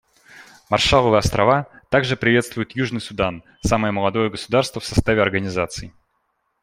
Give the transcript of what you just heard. Маршалловы Острова также приветствуют Южный Судан — самое молодое государство в составе Организации.